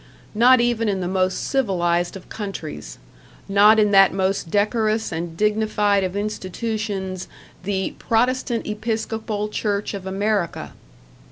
Not even in the most civilized of countries; not in that most decorous and dignified of institutions, the Protestant Episcopal Church of America!